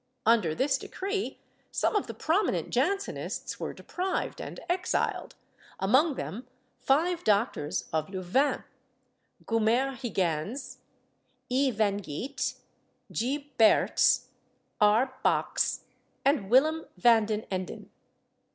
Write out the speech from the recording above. Under this decree some of the prominent Jansenists were deprived and exiled, among them five doctors of Louvain — Gummare Huygens, E, van Geet, G. Baerts, R. Backz and Willem van den Enden.